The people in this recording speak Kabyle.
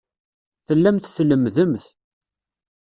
Tellamt tlemmdemt.